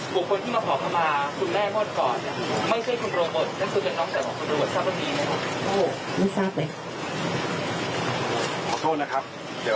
บวกคนที่มาขอคำว่าคุณแม่มดก่อนไม่ใช่คุณบอร์รนั้นคุณเป็นน้องแสดงของคุณบอร์รรู้จักกับใครไหม